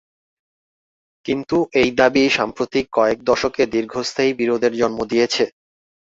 কিন্তু এই দাবি সাম্প্রতিক কয়েক দশকে দীর্ঘস্থায়ী বিরোধের জন্ম দিয়েছে।